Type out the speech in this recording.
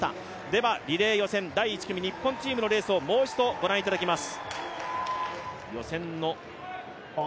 ではリレー予選第１組、日本チームの予選をもう一度御覧いただきます。